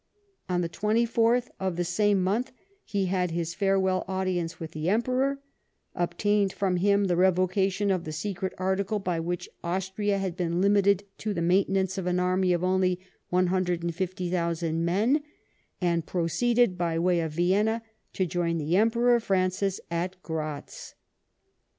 On the 24^1 of the same month he had his farewell audience with the Emperor, obtained from him the revocation of the secret article by which Austria had been limited to the maintenance of an army of only 150,000 men, and proceeded, by way of Vienna, to join the Emperor Francis at Gratz.